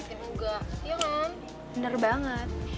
iya kan bener banget